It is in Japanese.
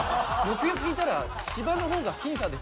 よくよく聞いたら。